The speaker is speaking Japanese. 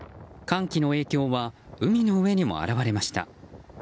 寒気の影響は海の上にも表れました。